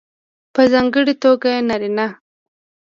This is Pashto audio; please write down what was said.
په ځانګړې توګه نارینه